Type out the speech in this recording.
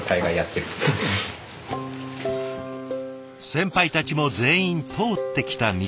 先輩たちも全員通ってきた道。